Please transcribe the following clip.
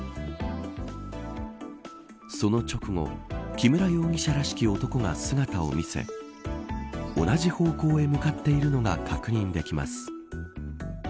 その直後、木村容疑者らしき男が姿を見せ同じ方向へ向かっているのが確認できます